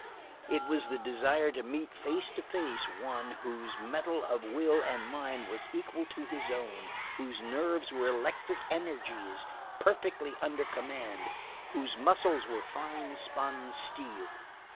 It was the desire to meet face to face one whose metal of will and mind was equal to his own, whose nerves were electric energies perfectly under command, whose muscles were fine spun steel.